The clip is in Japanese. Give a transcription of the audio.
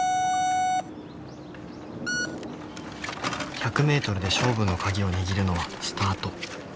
１００ｍで勝負の鍵を握るのはスタート。